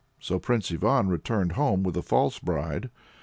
So Prince Ivan returned home with a false bride.